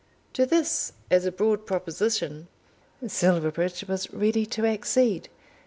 To this, as a broad proposition, Silverbridge was ready to accede.